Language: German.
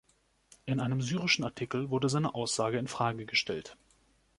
In einem syrischen Artikel wurde seine Aussage in Frage gestellt.